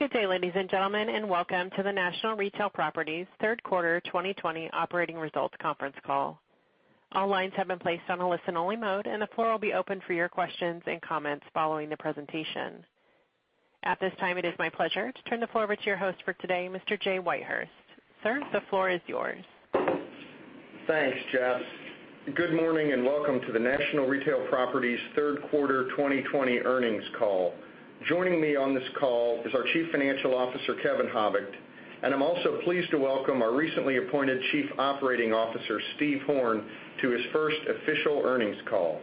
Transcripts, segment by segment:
Good day, ladies and gentlemen, and welcome to the National Retail Properties third quarter 2020 operating results conference call. All lines have been placed on a listen-only mode, and the floor will be open for your questions and comments following the presentation. At this time, it is my pleasure to turn the floor over to your host for today, Mr. Jay Whitehurst. Sir, the floor is yours. Thanks, Jess. Good morning and welcome to the National Retail Properties third quarter 2020 earnings call. Joining me on this call is our Chief Financial Officer, Kevin Habicht, and I'm also pleased to welcome our recently appointed Chief Operating Officer, Steve Horn, to his first official earnings call.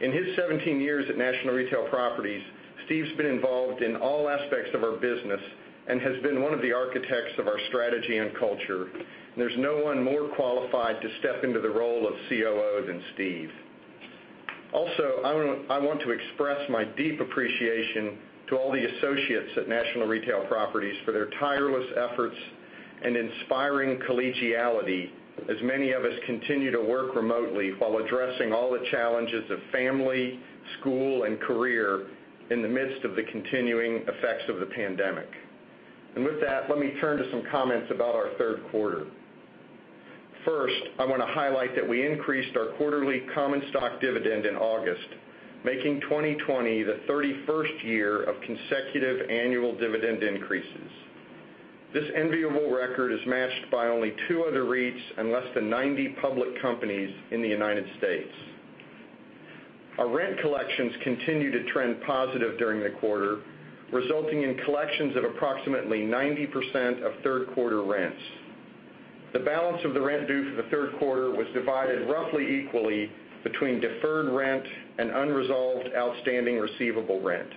In his 17 years at National Retail Properties, Steve's been involved in all aspects of our business and has been one of the architects of our strategy and culture. There's no one more qualified to step into the role of COO than Steve. Also, I want to express my deep appreciation to all the associates at National Retail Properties for their tireless efforts and inspiring collegiality as many of us continue to work remotely while addressing all the challenges of family, school, and career in the midst of the continuing effects of the pandemic. With that, let me turn to some comments about our third quarter. First, I want to highlight that we increased our quarterly common stock dividend in August, making 2020 the 31st year of consecutive annual dividend increases. This enviable record is matched by only two other REITs and less than 90 public companies in the U.S. Our rent collections continued to trend positive during the quarter, resulting in collections of approximately 90% of third-quarter rents. The balance of the rent due for the third quarter was divided roughly equally between deferred rent and unresolved outstanding receivable rent.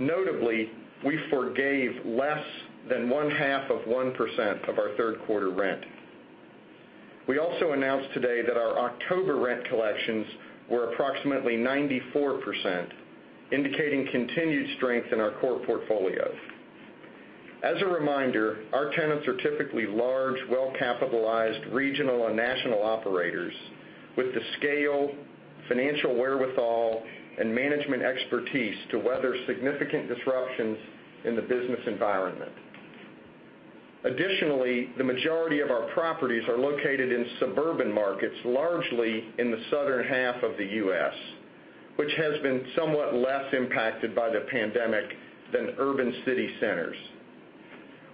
Notably, we forgave less than one-half of 1% of our third-quarter rent. We also announced today that our October rent collections were approximately 94%, indicating continued strength in our core portfolios. As a reminder, our tenants are typically large, well-capitalized regional and national operators with the scale, financial wherewithal, and management expertise to weather significant disruptions in the business environment. Additionally, the majority of our properties are located in suburban markets, largely in the southern half of the U.S., which has been somewhat less impacted by the pandemic than urban city centers.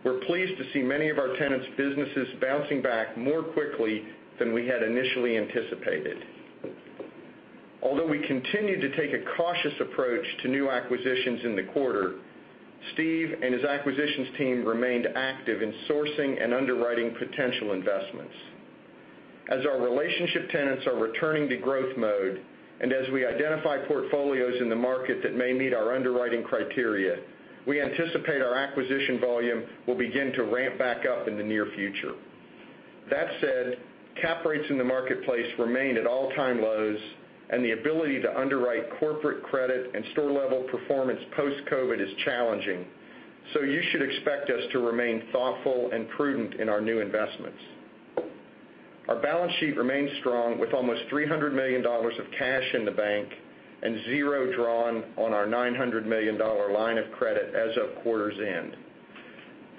We're pleased to see many of our tenants' businesses bouncing back more quickly than we had initially anticipated. Although we continued to take a cautious approach to new acquisitions in the quarter, Steve and his acquisitions team remained active in sourcing and underwriting potential investments. As our relationship tenants are returning to growth mode, and as we identify portfolios in the market that may meet our underwriting criteria, we anticipate our acquisition volume will begin to ramp back up in the near future. That said, cap rates in the marketplace remain at all-time lows, the ability to underwrite corporate credit and store-level performance post-COVID is challenging. You should expect us to remain thoughtful and prudent in our new investments. Our balance sheet remains strong with almost $300 million of cash in the bank and zero drawn on our $900 million line of credit as of quarter's end.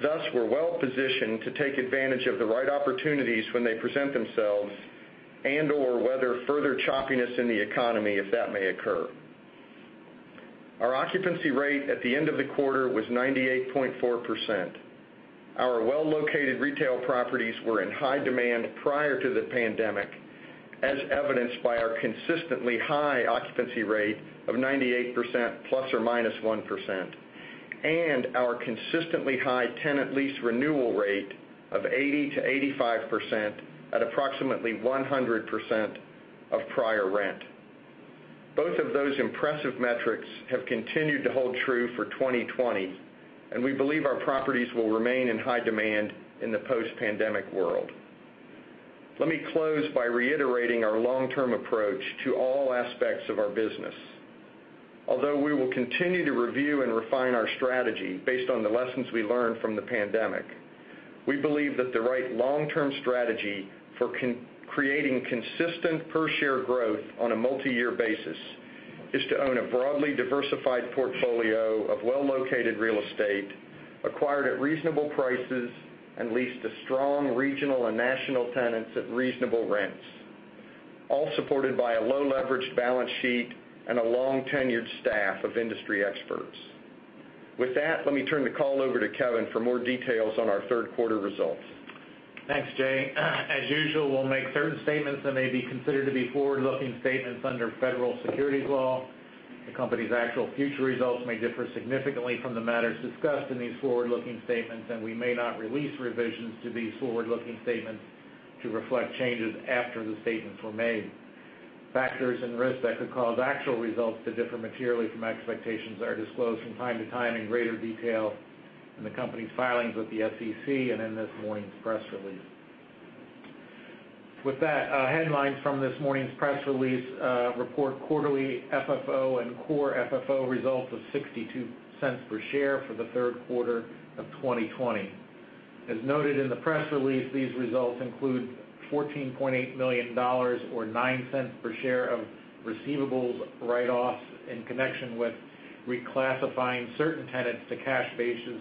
Thus, we're well-positioned to take advantage of the right opportunities when they present themselves and/or weather further choppiness in the economy if that may occur. Our occupancy rate at the end of the quarter was 98.4%. Our well-located retail properties were in high demand prior to the pandemic, as evidenced by our consistently high occupancy rate of 98% ±1%, and our consistently high tenant lease renewal rate of 80%-85% at approximately 100% of prior rent. Both of those impressive metrics have continued to hold true for 2020, and we believe our properties will remain in high demand in the post-pandemic world. Let me close by reiterating our long-term approach to all aspects of our business. Although we will continue to review and refine our strategy based on the lessons we learned from the pandemic, we believe that the right long-term strategy for creating consistent per share growth on a multi-year basis is to own a broadly diversified portfolio of well-located real estate acquired at reasonable prices and leased to strong regional and national tenants at reasonable rents, all supported by a low-leveraged balance sheet and a long-tenured staff of industry experts. With that, let me turn the call over to Kevin for more details on our third quarter results. Thanks, Jay. As usual, we'll make certain statements that may be considered to be forward-looking statements under federal securities law. The company's actual future results may differ significantly from the matters discussed in these forward-looking statements, and we may not release revisions to these forward-looking statements to reflect changes after the statements were made. Factors and risks that could cause actual results to differ materially from expectations are disclosed from time to time in greater detail in the company's filings with the SEC and in this morning's press release. With that, headlines from this morning's press release report quarterly FFO and Core FFO results of $0.62 per share for the third quarter of 2020. As noted in the press release, these results include $14.8 million, or $0.09 per share of receivables write-offs in connection with reclassifying certain tenants to cash basis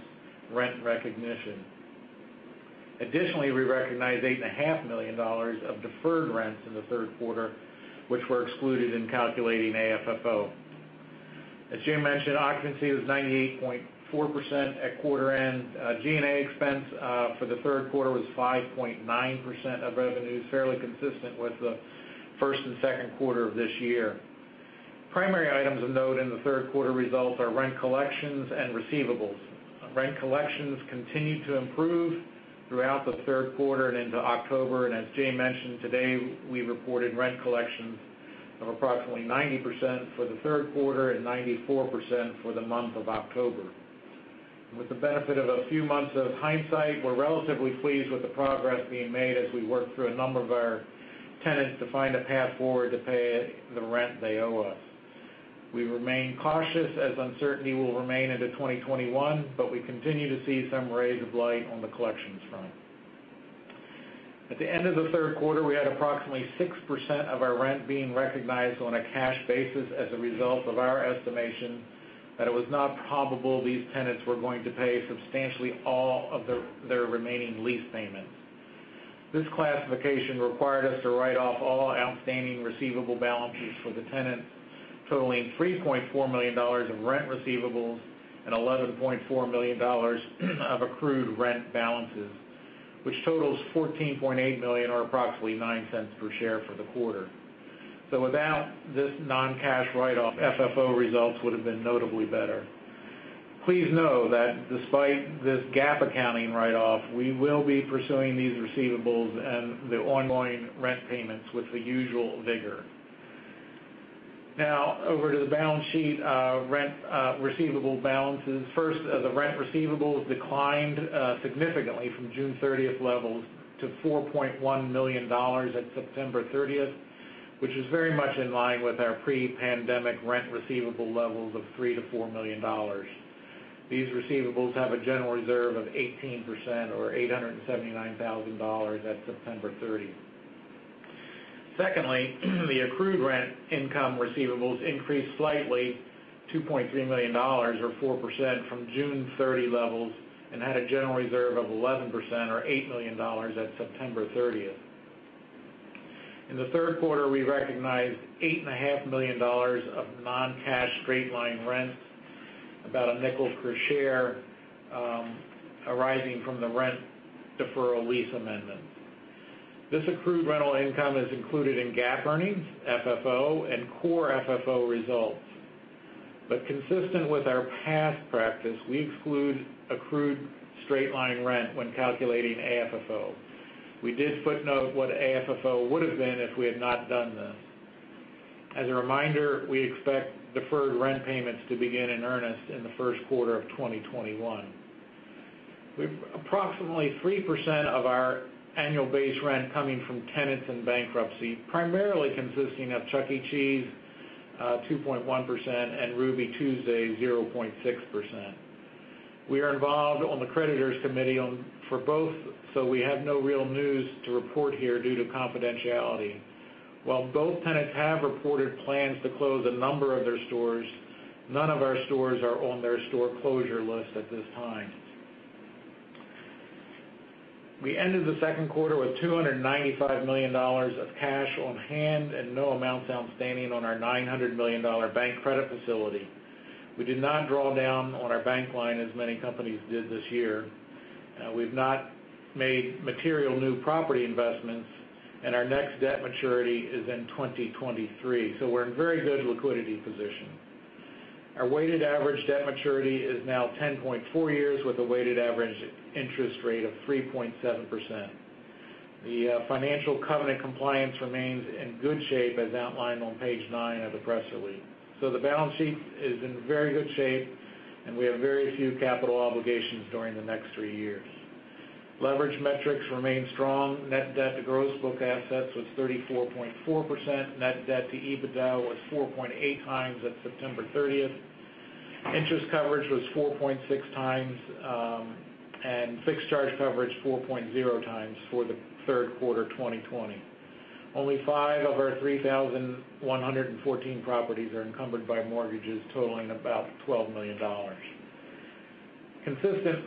rent recognition. Additionally, we recognized $8.5 million of deferred rents in the third quarter, which were excluded in calculating AFFO. As Jay mentioned, occupancy was 98.4% at quarter end. G&A expense for the third quarter was 5.9% of revenues, fairly consistent with the first and second quarter of this year. Primary items of note in the third quarter results are rent collections and receivables. Rent collections continue to improve throughout the third quarter and into October. As Jay mentioned today, we reported rent collections of approximately 90% for the third quarter and 94% for the month of October. With the benefit of a few months of hindsight, we're relatively pleased with the progress being made as we work through a number of our tenants to find a path forward to pay the rent they owe us. We remain cautious as uncertainty will remain into 2021, but we continue to see some rays of light on the collections front. At the end of the third quarter, we had approximately 6% of our rent being recognized on a cash basis as a result of our estimation that it was not probable these tenants were going to pay substantially all of their remaining lease payments. This classification required us to write off all outstanding receivable balances for the tenant, totaling $3.4 million of rent receivables and $11.4 million of accrued rent balances, which totals $14.8 million, or approximately $0.09 per share for the quarter. Without this non-cash write-off, FFO results would've been notably better. Please know that despite this GAAP accounting write-off, we will be pursuing these receivables and the ongoing rent payments with the usual vigor. Over to the balance sheet, rent receivable balances. The rent receivables declined significantly from June 30th levels to $4.1 million at September 30th, which is very much in line with our pre-pandemic rent receivable levels of $3 million-$4 million. These receivables have a general reserve of 18%, or $879,000 at September 30. The accrued rent income receivables increased slightly to $2.3 million, or 4% from June 30 levels, and had a general reserve of 11%, or $8 million at September 30th. In the third quarter, we recognized $8.5 million of non-cash straight-line rent, about $0.05 per share, arising from the rent deferral lease amendment. This accrued rental income is included in GAAP earnings, FFO, and Core FFO results. Consistent with our past practice, we exclude accrued straight-line rent when calculating AFFO. We did footnote what AFFO would've been if we had not done this. As a reminder, we expect deferred rent payments to begin in earnest in the first quarter of 2021. We've approximately 3% of our annual base rent coming from tenants in bankruptcy, primarily consisting of Chuck E. Cheese, 2.1%, and Ruby Tuesday, 0.6%. We are involved on the creditors committee for both. We have no real news to report here due to confidentiality. While both tenants have reported plans to close a number of their stores, none of our stores are on their store closure list at this time. We ended the second quarter with $295 million of cash on hand and no amounts outstanding on our $900 million bank credit facility. We did not draw down on our bank line as many companies did this year. We've not made material new property investments, and our next debt maturity is in 2023. We're in very good liquidity position. Our weighted average debt maturity is now 10.4 years, with a weighted average interest rate of 3.7%. The financial covenant compliance remains in good shape as outlined on page nine of the press release. The balance sheet is in very good shape, and we have very few capital obligations during the next three years. Leverage metrics remain strong. Net debt to gross book assets was 34.4%. Net debt to EBITDA was 4.8 times at September 30th. Interest coverage was 4.6 times, and fixed charge coverage 4.0 times for the third quarter 2020. Only five of our 3,114 properties are encumbered by mortgages totaling about $12 million. Consistent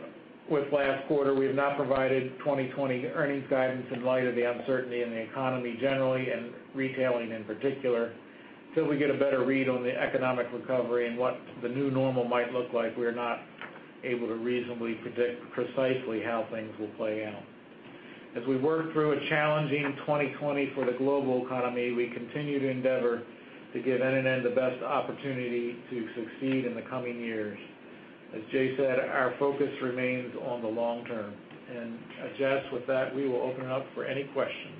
with last quarter, we have not provided 2020 earnings guidance in light of the uncertainty in the economy generally, and retailing in particular. Till we get a better read on the economic recovery and what the new normal might look like, we are not able to reasonably predict precisely how things will play out. As we work through a challenging 2020 for the global economy, we continue to endeavor to give NNN the best opportunity to succeed in the coming years. As Jay said, our focus remains on the long term. Jess, with that, we will open it up for any questions.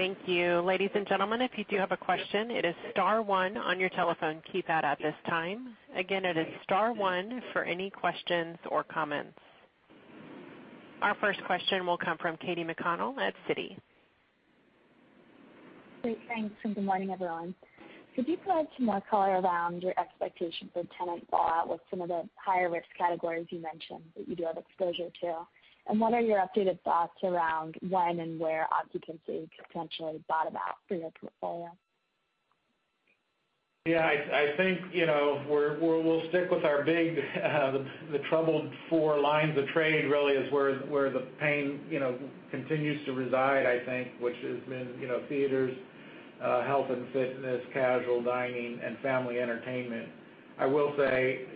Thank you. Ladies and gentlemen, if you do have a question, it is star one on your telephone keypad at this time. Again, it is star one for any questions or comments. Our first question will come from Katy McConnell at Citi. Great. Thanks. Good morning, everyone. Could you provide some more color around your expectation for tenant fallout with some of the higher-risk categories you mentioned that you do have exposure to? What are your updated thoughts around when and where occupancy potentially bottom out for your portfolio? Yeah, I think we'll stick with our troubled four lines of trade really is where the pain continues to reside, I think, which has been theaters, health and fitness, casual dining, and family entertainment. I will say,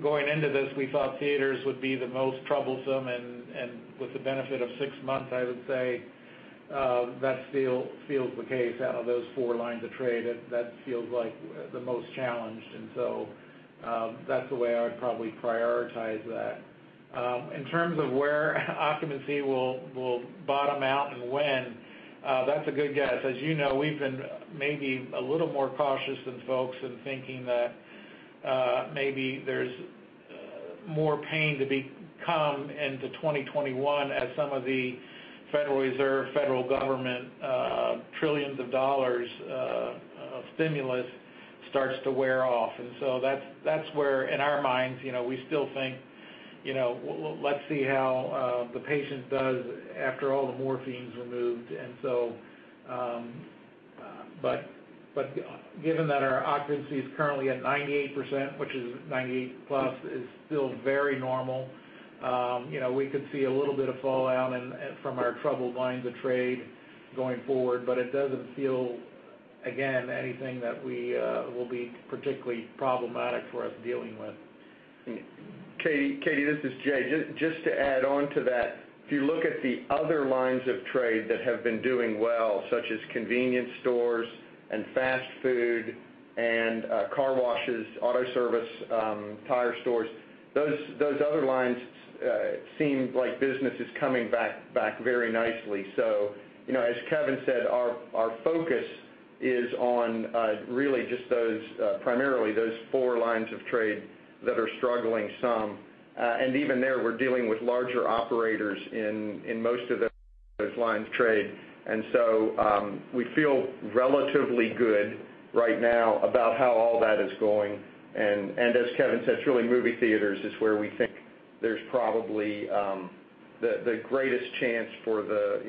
going into this, we thought theaters would be the most troublesome. With the benefit of six months, I would say that still feels the case. Out of those four lines of trade, that feels like the most challenged. That's the way I would probably prioritize that. In terms of where occupancy will bottom out and when, that's a good guess. As you know, we've been maybe a little more cautious than folks in thinking that maybe there's more pain to become into 2021 as some of the Federal Reserve, federal government trillions of dollars of stimulus starts to wear off. That's where, in our minds, we still think, let's see how the patient does after all the morphine's removed. Given that our occupancy is currently at 98%, which is 98-plus, is still very normal. We could see a little bit of fallout from our troubled lines of trade going forward, but it doesn't feel, again, anything that will be particularly problematic for us dealing with. Katy, this is Jay. Just to add on to that, if you look at the other lines of trade that have been doing well, such as convenience stores and fast food and car washes, auto service, tire stores, those other lines seem like business is coming back very nicely. As Kevin said, our focus is on really just primarily those four lines of trade that are struggling some. Even there, we're dealing with larger operators in most of those lines of trade. We feel relatively good right now about how all that is going. As Kevin said, it's really movie theaters is where we think there's probably the greatest chance for the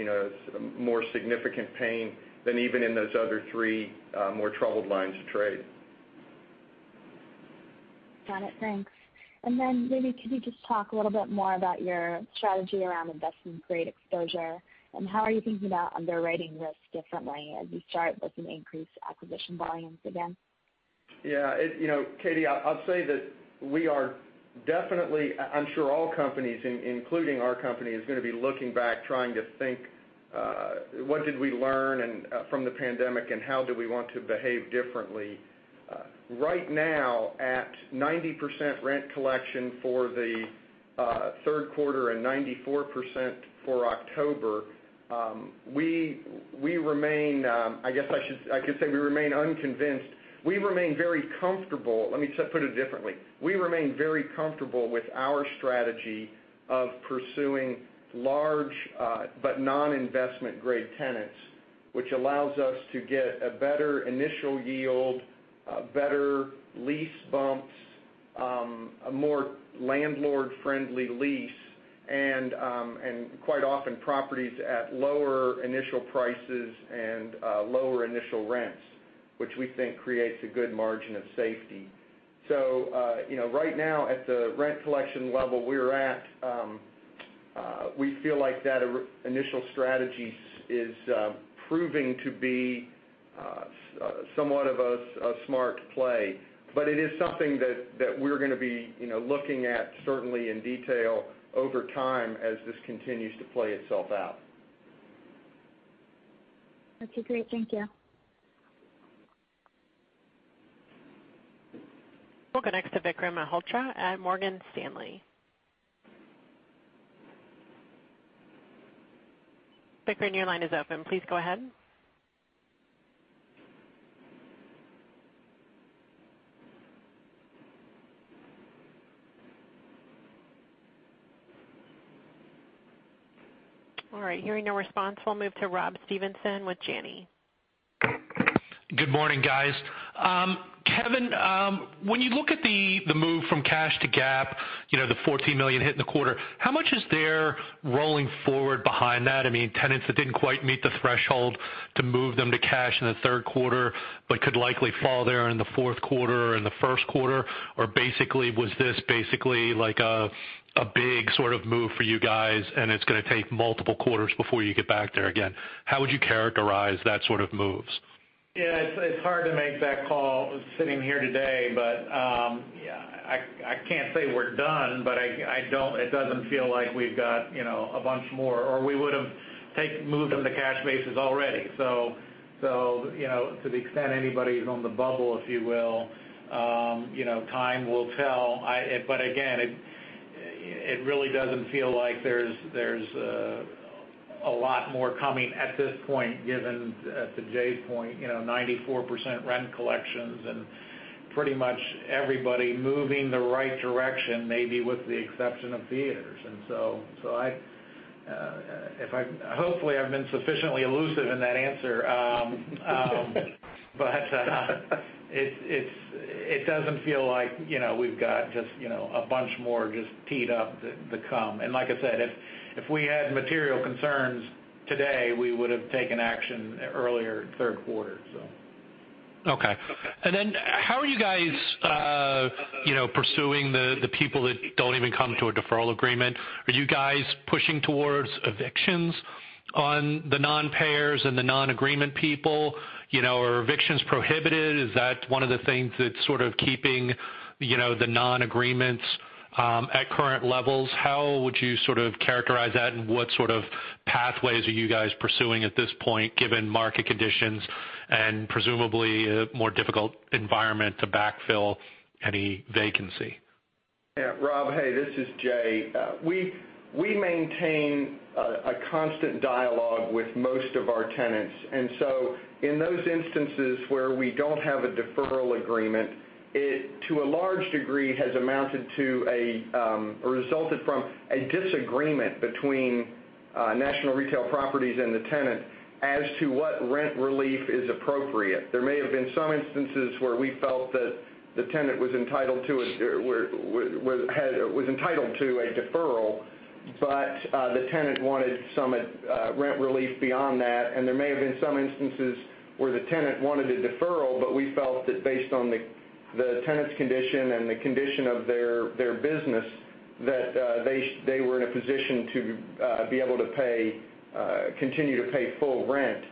more significant pain than even in those other three more troubled lines of trade. Got it. Thanks. Then maybe could you just talk a little bit more about your strategy around investment-grade exposure, and how are you thinking about underwriting risk differently as you start with an increased acquisition volumes again? Yeah. Katy, I'll say that we are definitely, I'm sure all companies, including our company, is going to be looking back trying to think what did we learn from the pandemic, and how do we want to behave differently? Right now, at 90% rent collection for the third quarter and 94% for October, we remain, I guess I could say we remain unconvinced. We remain very comfortable. Let me put it differently. We remain very comfortable with our strategy of pursuing large but non-investment-grade tenants, which allows us to get a better initial yield, better lease bumps, a more landlord-friendly lease, and quite often, properties at lower initial prices and lower initial rents, which we think creates a good margin of safety. Right now, at the rent collection level we're at, we feel like that initial strategy is proving to be somewhat of a smart play. It is something that we're going to be looking at certainly in detail over time as this continues to play itself out. Okay, great. Thank you. We'll go next to Vikram Malhotra at Morgan Stanley. Vikram, your line is open. Please go ahead. All right. Hearing no response, we'll move to Rob Stevenson with Janney. Good morning, guys. Kevin, when you look at the move from cash to GAAP, the $14 million hit in the quarter, how much is there rolling forward behind that? I mean, tenants that didn't quite meet the threshold to move them to cash in the third quarter but could likely fall there in the fourth quarter or in the first quarter? Was this basically a big sort of move for you guys, and it's going to take multiple quarters before you get back there again? How would you characterize that sort of moves? Yeah, it's hard to make that call sitting here today, but I can't say we're done, but it doesn't feel like we've got a bunch more, or we would've moved them to cash basis already. To the extent anybody's on the bubble, if you will, time will tell. Again, it really doesn't feel like there's a lot more coming at this point, given, to Jay's point, 94% rent collections and. Pretty much everybody moving the right direction, maybe with the exception of theaters. Hopefully, I've been sufficiently elusive in that answer. It doesn't feel like we've got just a bunch more just teed up to come. Like I said, if we had material concerns today, we would've taken action earlier third quarter. Okay. How are you guys pursuing the people that don't even come to a deferral agreement? Are you guys pushing towards evictions on the non-payers and the non-agreement people? Are evictions prohibited? Is that one of the things that's sort of keeping the non-agreements at current levels? How would you sort of characterize that, and what sort of pathways are you guys pursuing at this point, given market conditions and presumably a more difficult environment to backfill any vacancy? Yeah, Rob, hey, this is Jay. In those instances where we don't have a deferral agreement, it, to a large degree, has amounted to, or resulted from, a disagreement between National Retail Properties and the tenant as to what rent relief is appropriate. There may have been some instances where we felt that the tenant was entitled to a deferral, but the tenant wanted some rent relief beyond that. There may have been some instances where the tenant wanted a deferral, but we felt that based on the tenant's condition and the condition of their business, that they were in a position to be able to continue to pay full rent.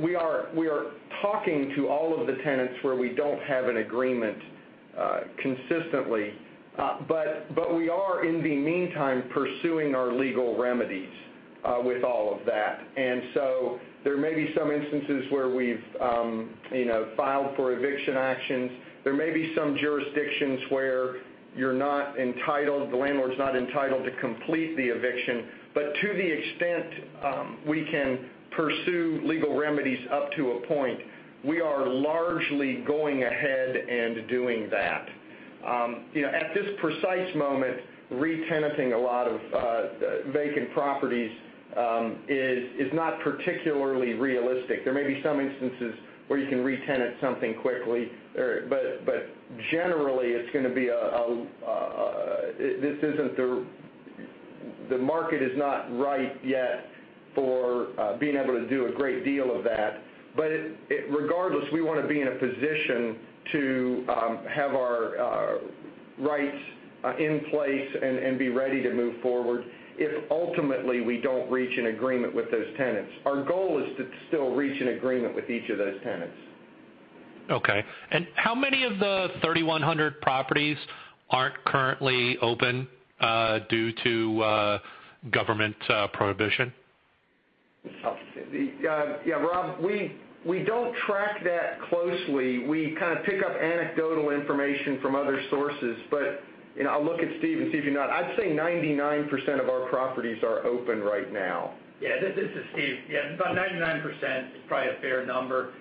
We are talking to all of the tenants where we don't have an agreement consistently. We are, in the meantime, pursuing our legal remedies with all of that. There may be some instances where we've filed for eviction actions. There may be some jurisdictions where the landlord's not entitled to complete the eviction. To the extent we can pursue legal remedies up to a point, we are largely going ahead and doing that. At this precise moment, re-tenanting a lot of vacant properties is not particularly realistic. There may be some instances where you can re-tenant something quickly. Generally, the market is not right yet for being able to do a great deal of that. Regardless, we want to be in a position to have our rights in place and be ready to move forward if ultimately we don't reach an agreement with those tenants. Our goal is to still reach an agreement with each of those tenants. Okay. How many of the 3,100 properties aren't currently open due to government prohibition? Yeah, Rob, we don't track that closely. We kind of pick up anecdotal information from other sources. I'll look at Steve and see if you know. I'd say 99% of our properties are open right now. This is Steve. About 99% is probably a fair number.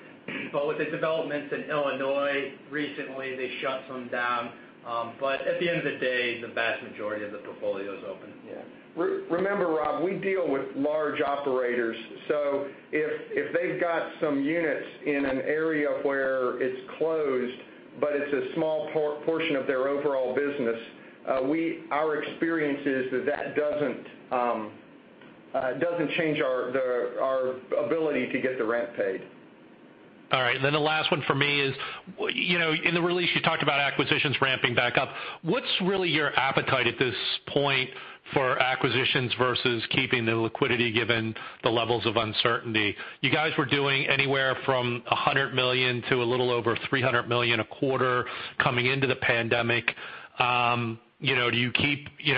With the developments in Illinois recently, they shut some down. At the end of the day, the vast majority of the portfolio is open. Yeah. Remember, Rob, we deal with large operators, so if they've got some units in an area where it's closed, but it's a small portion of their overall business, our experience is that that doesn't change our ability to get the rent paid. All right. The last one from me is, in the release, you talked about acquisitions ramping back up. What's really your appetite at this point for acquisitions versus keeping the liquidity given the levels of uncertainty? You guys were doing anywhere from $100 million to a little over $300 million a quarter coming into the pandemic.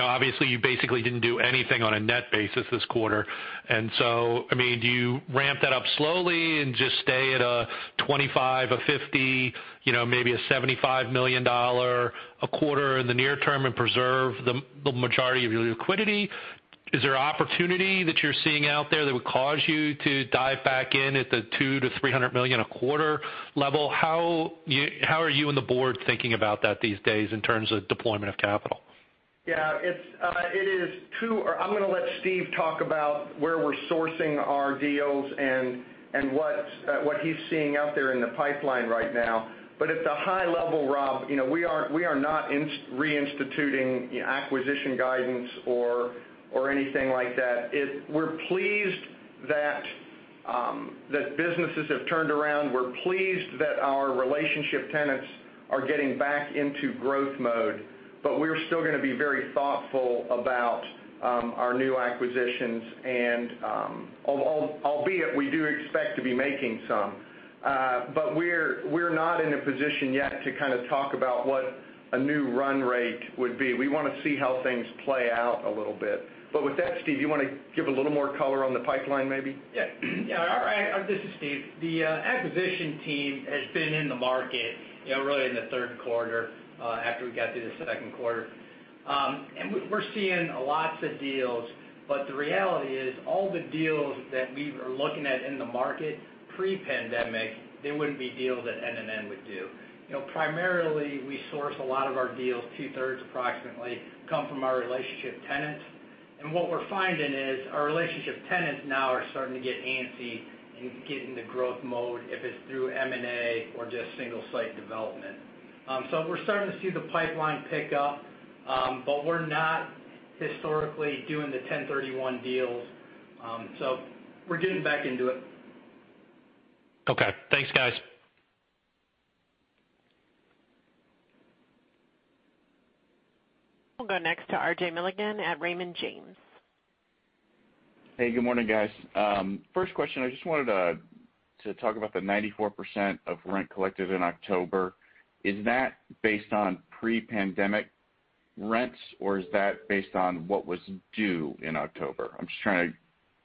Obviously, you basically didn't do anything on a net basis this quarter, and so do you ramp that up slowly and just stay at a $25, a $50, maybe a $75 million a quarter in the near term and preserve the majority of your liquidity? Is there opportunity that you're seeing out there that would cause you to dive back in at the $2 million-$300 million a quarter level? How are you and the board thinking about that these days in terms of deployment of capital? Yeah. I'm going to let Steve talk about where we're sourcing our deals and what he's seeing out there in the pipeline right now. At the high level, Rob, we are not reinstituting acquisition guidance or anything like that. We're pleased that businesses have turned around. We're pleased that our relationship tenants are getting back into growth mode, but we're still going to be very thoughtful about our new acquisitions and, albeit we do expect to be making some. We're not in a position yet to kind of talk about what a new run rate would be. We want to see how things play out a little bit. With that, Steve, you want to give a little more color on the pipeline, maybe? Yeah. Yeah. This is Steve. The acquisition team has been in the market really in the third quarter, after we got through the second quarter. We're seeing lots of deals, the reality is, all the deals that we were looking at in the market pre-pandemic, they wouldn't be deals that NNN would do. Primarily, we source a lot of our deals, two-thirds approximately, come from our relationship tenants What we're finding is our relationship tenants now are starting to get antsy and get into growth mode, if it's through M&A or just single site development. We're starting to see the pipeline pick up, but we're not historically doing the 1031 deals. We're getting back into it. Okay. Thanks, guys. We'll go next to RJ Milligan at Raymond James. Hey, good morning, guys. First question, I just wanted to talk about the 94% of rent collected in October. Is that based on pre-pandemic rents, or is that based on what was due in October? I'm just trying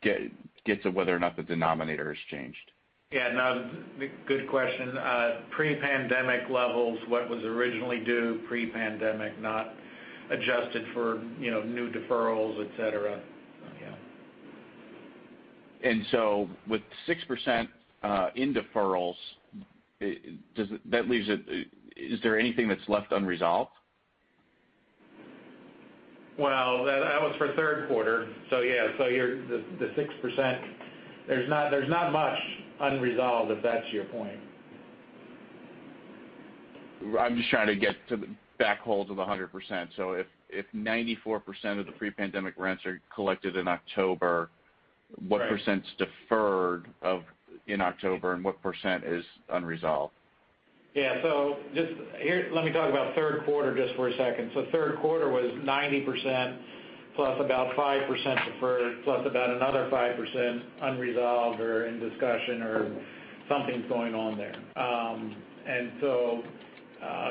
to get to whether or not the denominator has changed. Yeah, no. Good question. Pre-pandemic levels, what was originally due pre-pandemic, not adjusted for new deferrals, et cetera. Yeah. With 6% in deferrals, is there anything that's left unresolved? Well, that was for third quarter. Yeah, the 6%, there's not much unresolved, if that's your point. I'm just trying to get to the back holds of 100%. If 94% of the pre-pandemic rents are collected in October. Right what %'s deferred in October, and what % is unresolved? Let me talk about third quarter just for a second. third quarter was 90% plus about 5% deferred, plus about another 5% unresolved or in discussion or something's going on there.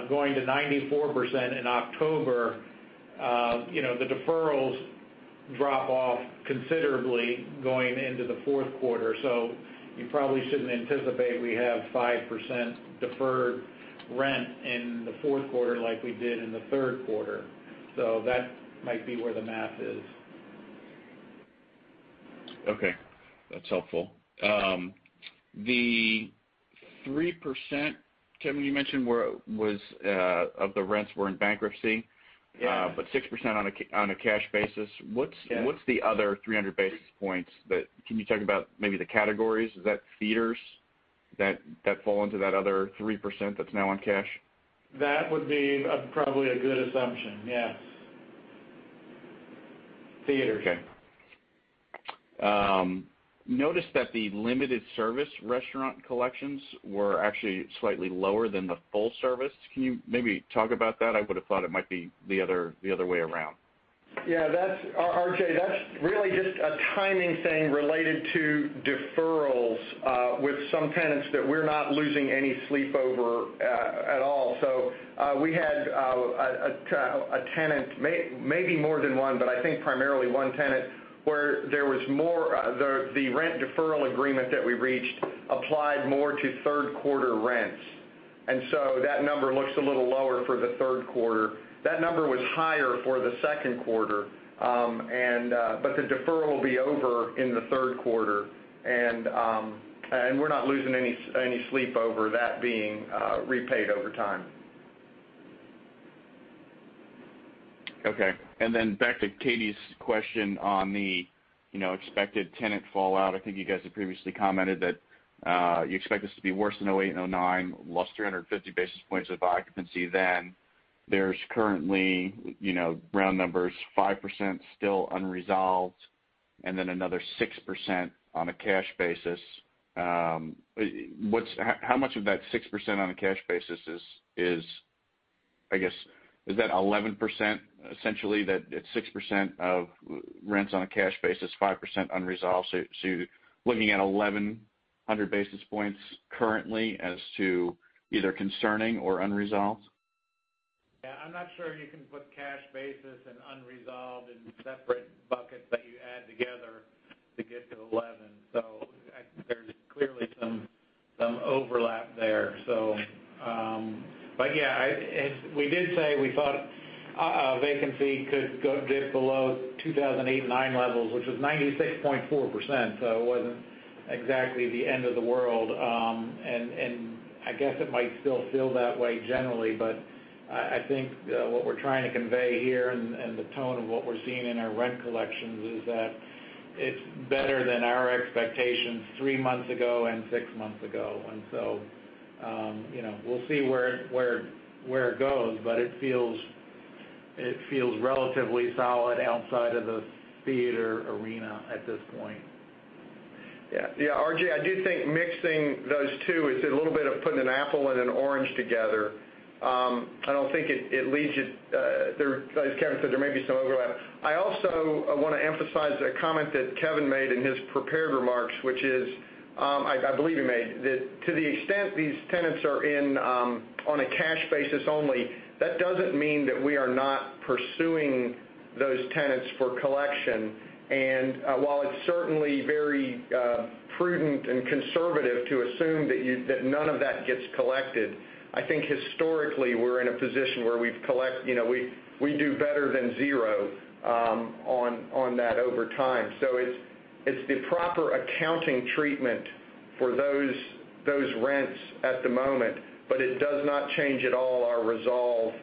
going to 94% in October, the deferrals drop off considerably going into the fourth quarter. you probably shouldn't anticipate we have 5% deferred rent in the fourth quarter like we did in the third quarter. that might be where the math is. Okay. That's helpful. The 3%, Kevin, you mentioned of the rents were in bankruptcy. Yeah. 6% on a cash basis. Yeah. What's the other 300 basis points? Can you talk about maybe the categories? Is that theaters that fall into that other 3% that's now on cash? That would be probably a good assumption. Yes. Theaters. Okay. Noticed that the limited service restaurant collections were actually slightly lower than the full service. Can you maybe talk about that? I would've thought it might be the other way around. RJ, that's really just a timing thing related to deferrals with some tenants that we're not losing any sleep over at all. We had a tenant, maybe more than one, but I think primarily one tenant, where the rent deferral agreement that we reached applied more to third quarter rents. That number looks a little lower for the third quarter. That number was higher for the second quarter. The deferral will be over in the third quarter. We're not losing any sleep over that being repaid over time. Okay. Back to Katy's question on the expected tenant fallout. I think you guys have previously commented that you expect this to be worse than 2008 and 2009, lost 350 basis points of occupancy then. There's currently, round numbers, 5% still unresolved, and then another 6% on a cash basis. How much of that 6% on a cash basis is I guess, is that 11%, essentially, that it's 6% of rents on a cash basis, 5% unresolved? Looking at 1,100 basis points currently as to either concerning or unresolved? Yeah. I'm not sure you can put cash basis and unresolved in separate buckets that you add together to get to 11. There's clearly some overlap there. Yeah, we did say we thought vacancy could dip below 2008 and 2009 levels, which was 96.4%, so it wasn't exactly the end of the world. I guess it might still feel that way generally, but I think what we're trying to convey here and the tone of what we're seeing in our rent collections is that it's better than our expectations three months ago and six months ago. We'll see where it goes, but it feels relatively solid outside of the theater arena at this point. Yeah, RJ, I do think mixing those two is a little bit of putting an apple and an orange together. As Kevin said, there may be some overlap. I also want to emphasize a comment that Kevin made in his prepared remarks, which is, I believe he made, that to the extent these tenants are in on a cash basis only, that doesn't mean that we are not pursuing those tenants for collection. While it's certainly very prudent and conservative to assume that none of that gets collected, I think historically, we're in a position where we do better than zero on that over time. It's the proper accounting treatment. For those rents at the moment, but it does not change at all our resolve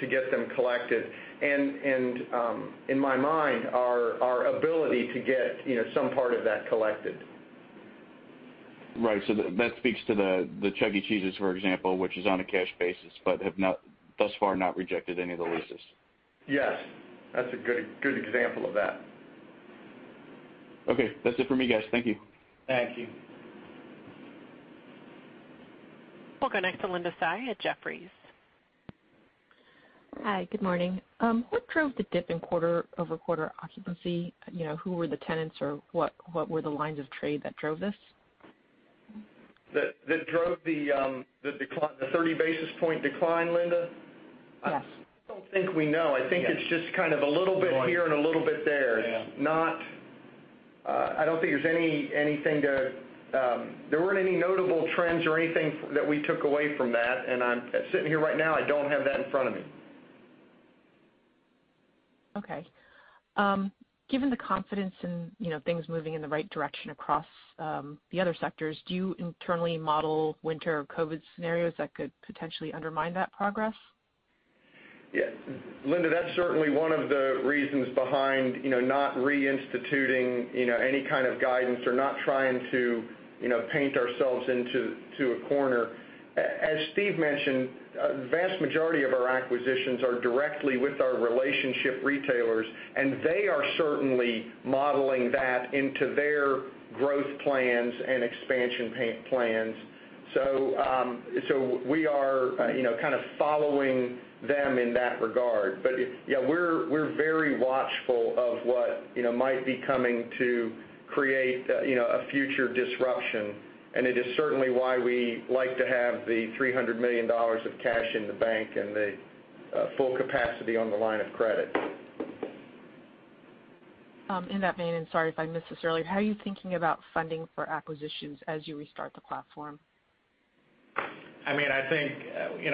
to get them collected. In my mind, our ability to get some part of that collected. That speaks to the Chuck E. Cheese, for example, which is on a cash basis, but have thus far not rejected any of the leases. Yes, that's a good example of that. Okay. That's it for me, guys. Thank you. Thank you. We'll go next to Linda Tsai at Jefferies. Hi, good morning. What drove the dip in quarter-over-quarter occupancy? Who were the tenants, or what were the lines of trade that drove this? That drove the 30 basis point decline, Linda? Yes. I don't think we know. I think it's just kind of a little bit here and a little bit there. Yeah. There weren't any notable trends or anything that we took away from that, and sitting here right now, I don't have that in front of me. Okay. Given the confidence in things moving in the right direction across the other sectors, do you internally model winter COVID scenarios that could potentially undermine that progress? Yeah, Linda, that's certainly one of the reasons behind not reinstituting any kind of guidance or not trying to paint ourselves into a corner. As Steve mentioned, a vast majority of our acquisitions are directly with our relationship retailers, and they are certainly modeling that into their growth plans and expansion plans. We are kind of following them in that regard. We're very watchful of what might be coming to create a future disruption, and it is certainly why we like to have the $300 million of cash in the bank and the full capacity on the line of credit. In that vein, and sorry if I missed this earlier, how are you thinking about funding for acquisitions as you restart the platform?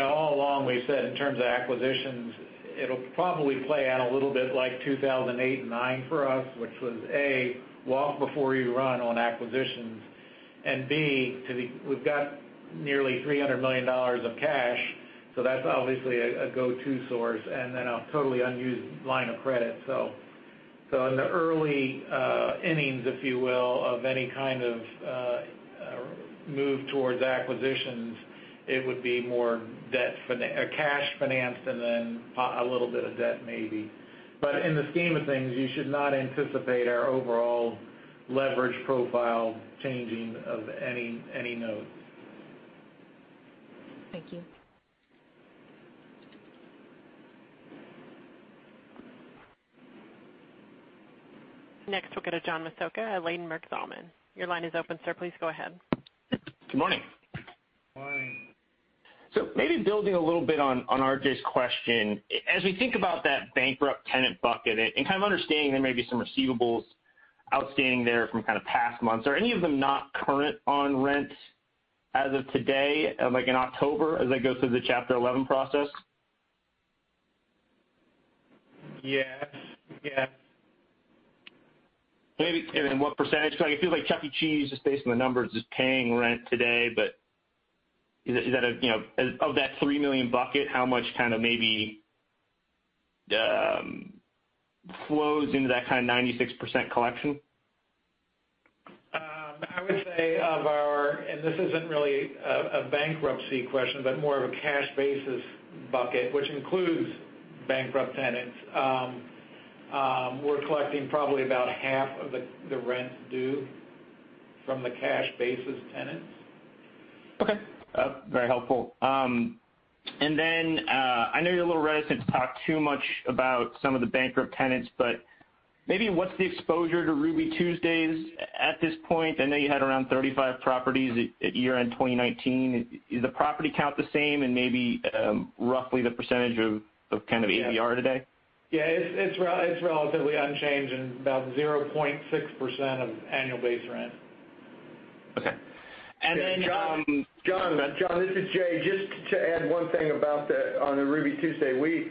All along we've said in terms of acquisitions, it'll probably play out a little bit like 2008 and 2009 for us, which was, A, walk before you run on acquisitions, and B, we've got nearly $300 million of cash, so that's obviously a go-to source, and then a totally unused line of credit. In the early innings, if you will, of any kind of move towards acquisitions, it would be more cash financed and then a little bit of debt maybe. In the scheme of things, you should not anticipate our overall leverage profile changing of any note. Thank you. Next we'll go to John Massocca at Ladenburg Thalmann. Your line is open, sir. Please go ahead. Good morning. Morning. Maybe building a little bit on RJ's question. As we think about that bankrupt tenant bucket and kind of understanding there may be some receivables outstanding there from kind of past months. Are any of them not current on rent as of today, like in October, as they go through the Chapter 11 process? Yes. What percentage? Because it feels like Chuck E. Cheese, just based on the numbers, is paying rent today. Of that $3 million bucket, how much kind of maybe flows into that kind of 96% collection? I would say, and this isn't really a bankruptcy question, but more of a cash basis bucket, which includes bankrupt tenants. We're collecting probably about half of the rent due from the cash basis tenants. Okay. Very helpful. I know you're a little reticent to talk too much about some of the bankrupt tenants, but maybe what's the exposure to Ruby Tuesday at this point? I know you had around 35 properties at year-end 2019. Is the property count the same and maybe roughly the percentage of kind of ABR today? Yeah, it's relatively unchanged and about 0.6% of annual base rent. Okay. And then- John, this is Jay. To add one thing about that on the Ruby Tuesday. We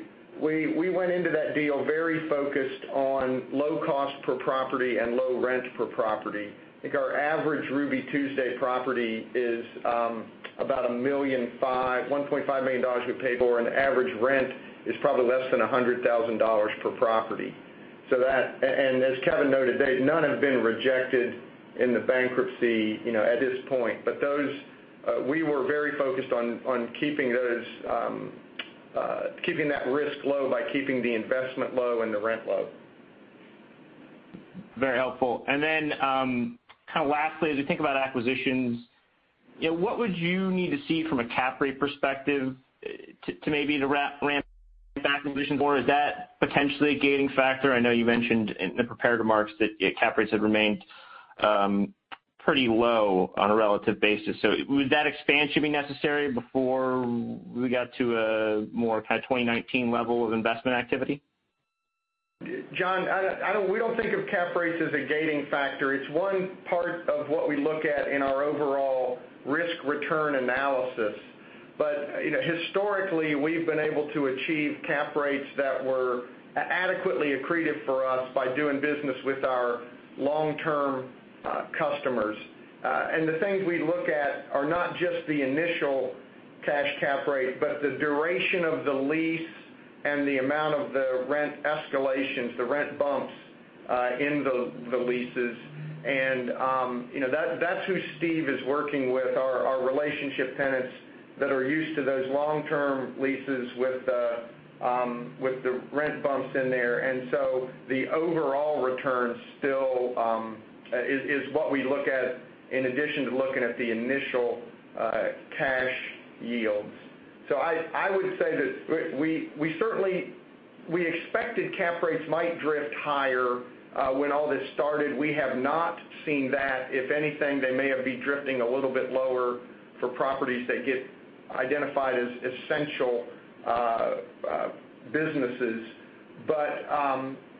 went into that deal very focused on low cost per property and low rent per property. I think our average Ruby Tuesday property is about $1.5 million we paid for it, and the average rent is probably less than $100,000 per property. As Kevin noted, none have been rejected in the bankruptcy at this point. We were very focused on keeping that risk low by keeping the investment low and the rent low. Very helpful. Then, kind of lastly, as we think about acquisitions, what would you need to see from a cap rate perspective to maybe ramp back acquisition more? Is that potentially a gating factor? I know you mentioned in the prepared remarks that cap rates have remained pretty low on a relative basis. Would that expansion be necessary before we got to a more kind of 2019 level of investment activity? John, we don't think of cap rates as a gating factor. It's one part of what we look at in our overall risk return analysis. Historically, we've been able to achieve cap rates that were adequately accretive for us by doing business with our long-term customers. The things we look at are not just the initial cash cap rate, but the duration of the lease and the amount of the rent escalations, the rent bumps in the leases. That's who Steve is working with, are relationship tenants that are used to those long-term leases with the rent bumps in there. The overall return still is what we look at, in addition to looking at the initial cash yields. I would say that we expected cap rates might drift higher when all this started. We have not seen that. If anything, they may be drifting a little bit lower for properties that get identified as essential businesses.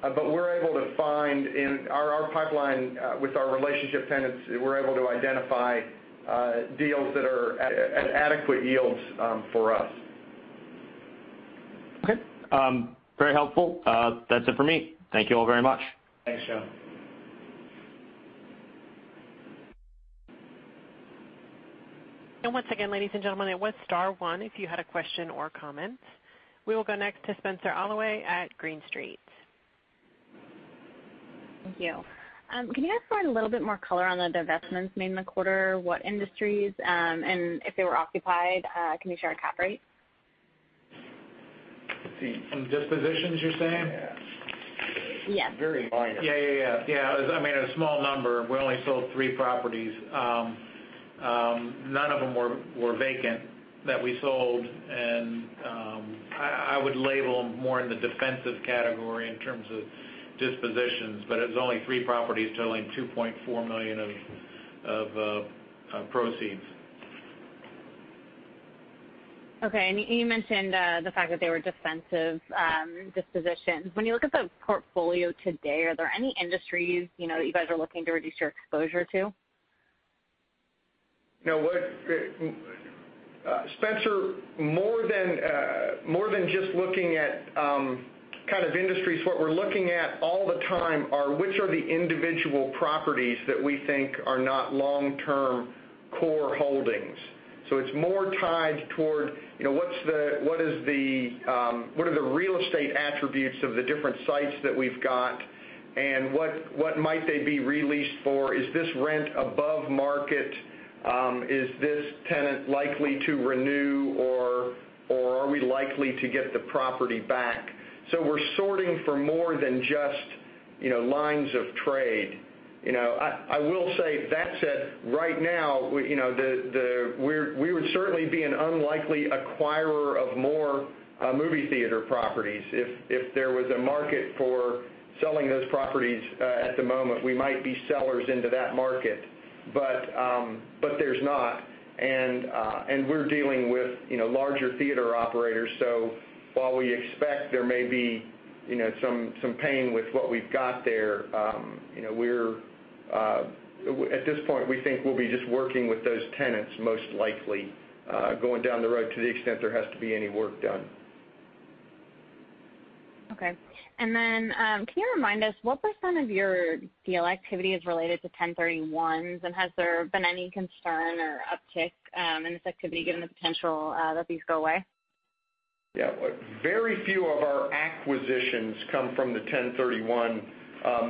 We're able to find in our pipeline with our relationship tenants, we're able to identify deals that are at adequate yields for us. Okay. Very helpful. That's it for me. Thank you all very much. Thanks, John. Once again, ladies and gentlemen, it was star one if you had a question or comment. We will go next to Spenser Glimcher at Green Street. Thank you. Can you guys provide a little bit more color on the divestments made in the quarter, what industries, and if they were occupied, can you share a cap rate? Steve. Some dispositions, you're saying? Yes. Very minor. Yeah. I mean, a small number. We only sold three properties. None of them were vacant that we sold. I would label them more in the defensive category in terms of dispositions, but it was only three properties totaling $2.4 million of proceeds. Okay. You mentioned the fact that they were defensive dispositions. When you look at the portfolio today, are there any industries you guys are looking to reduce your exposure to? No. Spenser, more than just looking at kind of industries, what we're looking at all the time are which are the individual properties that we think are not long-term core holdings. It's more tied toward what are the real estate attributes of the different sites that we've got and what might they be re-leased for? Is this rent above market? Is this tenant likely to renew or are we likely to get the property back? We're sorting for more than just lines of trade. I will say, that said, right now, we would certainly be an unlikely acquirer of more movie theater properties. If there was a market for selling those properties at the moment, we might be sellers into that market. There's not, and we're dealing with larger theater operators. While we expect there may be some pain with what we've got there, at this point, we think we'll be just working with those tenants, most likely, going down the road to the extent there has to be any work done. Okay. Can you remind us what % of your deal activity is related to 1031s, and has there been any concern or uptick in this activity given the potential that these go away? Very few of our acquisitions come from the 1031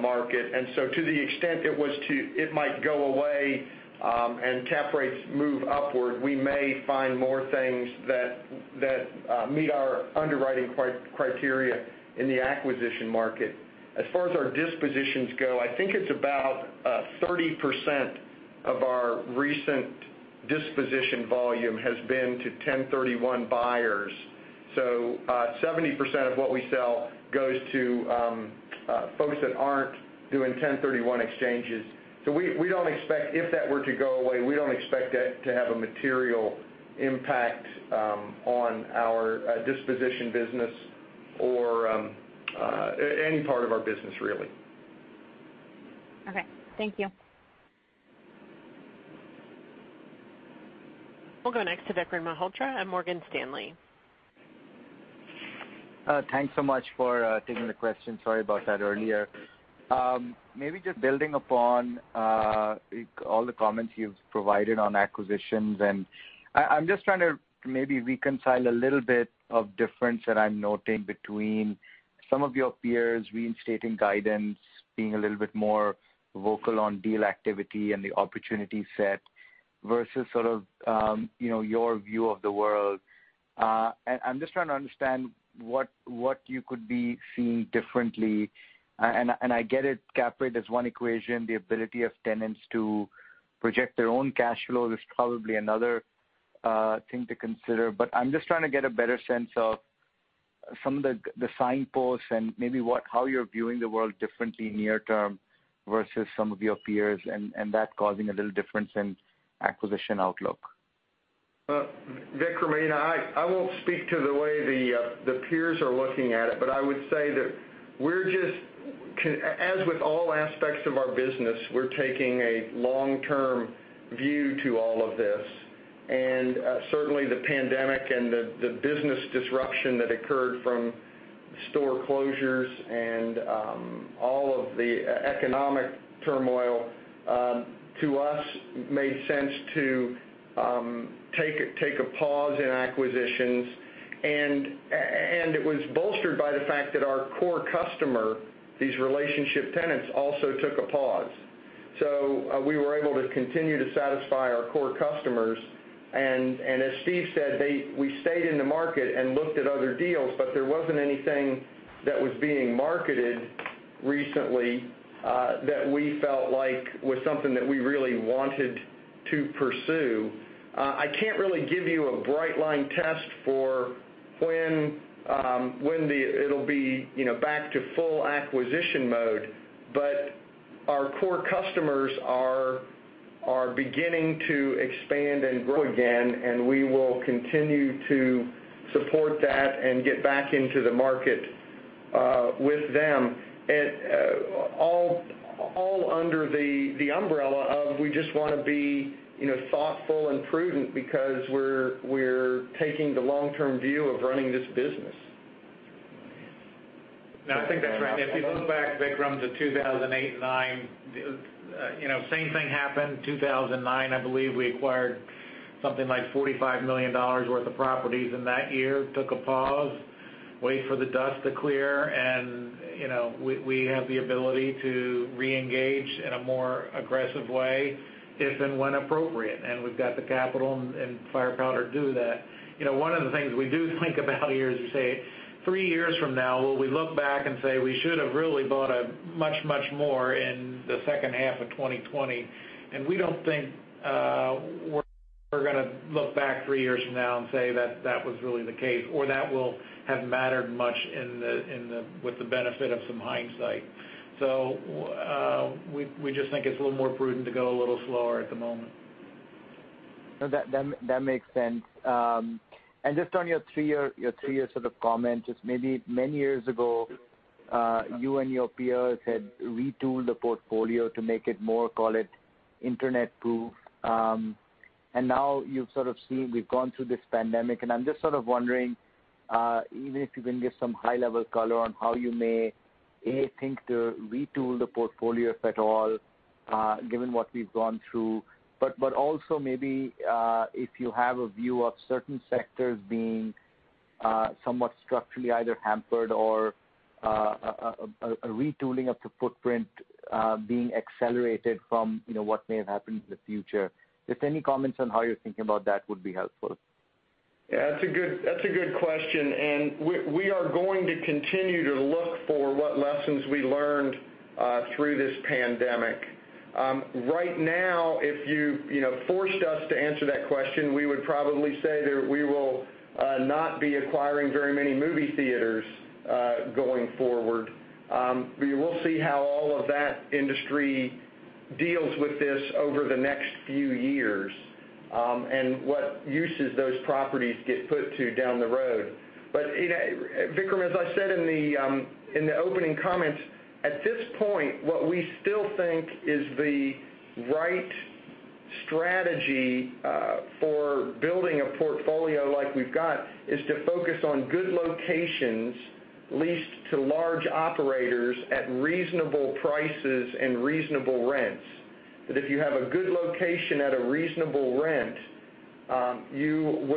market. To the extent it might go away, and cap rates move upward, we may find more things that meet our underwriting criteria in the acquisition market. As far as our dispositions go, I think it's about 30% of our recent disposition volume has been to 1031 buyers. 70% of what we sell goes to folks that aren't doing 1031 exchanges. If that were to go away, we don't expect that to have a material impact on our disposition business or any part of our business, really. Okay. Thank you. We'll go next to Vikram Malhotra at Morgan Stanley. Thanks so much for taking the question. Sorry about that earlier. Maybe just building upon all the comments you've provided on acquisitions, and I'm just trying to maybe reconcile a little bit of difference that I'm noting between some of your peers reinstating guidance, being a little bit more vocal on deal activity and the opportunity set, versus sort of your view of the world. I'm just trying to understand what you could be seeing differently. I get it, cap rate is one equation. The ability of tenants to project their own cash flow is probably another thing to consider. I'm just trying to get a better sense of some of the signposts and maybe how you're viewing the world differently near term versus some of your peers, and that causing a little difference in acquisition outlook. Vikram, I won't speak to the way the peers are looking at it. I would say that as with all aspects of our business, we're taking a long-term view to all of this. Certainly the pandemic and the business disruption that occurred from store closures and all of the economic turmoil, to us, made sense to take a pause in acquisitions. It was bolstered by the fact that our core customer, these relationship tenants, also took a pause. We were able to continue to satisfy our core customers. As Steve said, we stayed in the market and looked at other deals, there wasn't anything that was being marketed recently, that we felt like was something that we really wanted to pursue. I can't really give you a bright line test for when it'll be back to full acquisition mode. Our core customers are beginning to expand and grow again, and we will continue to support that and get back into the market with them. All under the umbrella of we just want to be thoughtful and prudent because we're taking the long-term view of running this business. No, I think that's right. If you look back, Vikram, to 2008 and 2009, same thing happened. 2009, I believe we acquired something like $45 million worth of properties in that year. Took a pause, wait for the dust to clear. We have the ability to reengage in a more aggressive way if and when appropriate. We've got the capital and gunpowder to do that. One of the things we do think about here is, say, three years from now, will we look back and say we should have really bought much more in the second half of 2020? We don't think we're going to look back three years from now and say that that was really the case, or that will have mattered much with the benefit of some hindsight. We just think it's a little more prudent to go a little slower at the moment. No, that makes sense. Just on your three-year sort of comment, just maybe many years ago, you and your peers had retooled the portfolio to make it more, call it, internet-proof. Now you've sort of seen we've gone through this pandemic. I'm just sort of wondering, even if you can give some high-level color on how you may, A, think to retool the portfolio, if at all, given what we've gone through. Also maybe, if you have a view of certain sectors being somewhat structurally either hampered or a retooling of the footprint being accelerated from what may have happened in the future. Just any comments on how you're thinking about that would be helpful. Yeah, that's a good question. We are going to continue to look for what lessons we learned through this pandemic. Right now, if you forced us to answer that question, we would probably say that we will not be acquiring very many movie theaters going forward. We will see how all of that industry deals with this over the next few years, and what uses those properties get put to down the road. Vikram, as I said in the opening comments, at this point, what we still think is the right strategy for building a portfolio like we've got is to focus on good locations leased to large operators at reasonable prices and reasonable rents. That if you have a good location at a reasonable rent, and you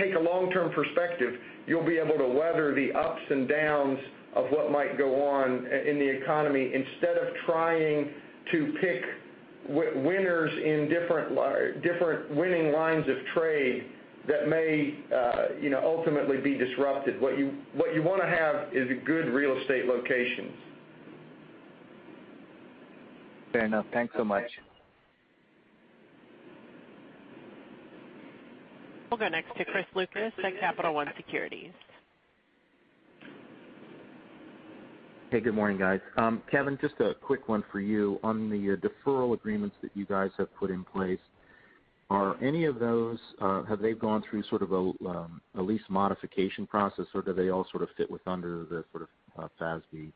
take a long-term perspective, you'll be able to weather the ups and downs of what might go on in the economy, instead of trying to pick winners in different winning lines of trade that may ultimately be disrupted. What you want to have is good real estate locations. Fair enough. Thanks so much. We'll go next to Chris Lucas at Capital One Securities. Hey, good morning, guys. Kevin, just a quick one for you. On the deferral agreements that you guys have put in place, have they gone through sort of a lease modification process, or do they all sort of fit with under the sort of FASB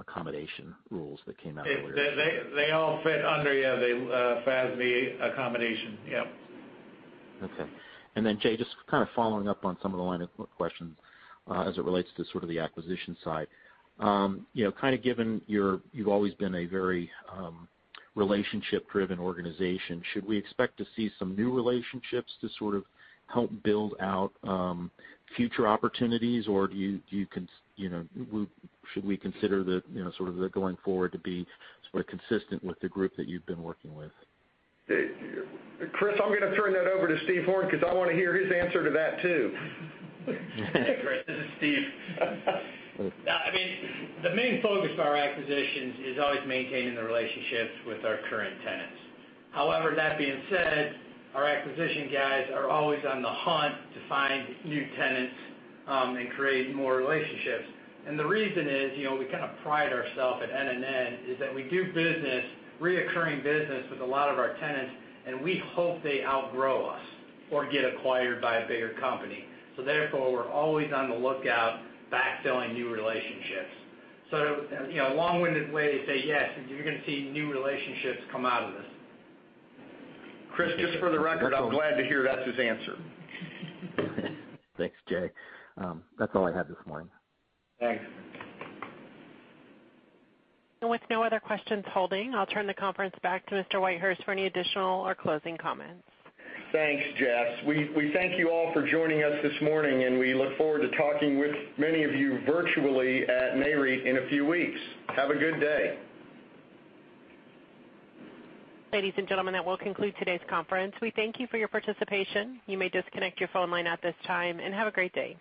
accommodation rules that came out earlier this year? They all fit under, yeah, the FASB accommodation. Yep. Okay. Jay, just kind of following up on some of the line of questions as it relates to sort of the acquisition side. Kind of given you've always been a very relationship-driven organization, should we expect to see some new relationships to sort of help build out future opportunities? should we consider that sort of the going forward to be sort of consistent with the group that you've been working with? Chris, I'm going to turn that over to Steve Horn, because I want to hear his answer to that, too. Hey, Chris, this is Steve. The main focus of our acquisitions is always maintaining the relationships with our current tenants. However, that being said, our acquisition guys are always on the hunt to find new tenants and create more relationships. The reason is, we kind of pride ourself at NNN, is that we do recurring business with a lot of our tenants, and we hope they outgrow us or get acquired by a bigger company. Therefore, we're always on the lookout, backfilling new relationships. A long-winded way to say yes, you're going to see new relationships come out of this. Chris, just for the record, I'm glad to hear that's his answer. Thanks, Jay. That's all I had this morning. Thanks. With no other questions holding, I'll turn the conference back to Mr. Whitehurst for any additional or closing comments. Thanks, Jess. We thank you all for joining us this morning, and we look forward to talking with many of you virtually at Nareit in a few weeks. Have a good day. Ladies and gentlemen, that will conclude today's conference. We thank you for your participation. You may disconnect your phone line at this time, and have a great day.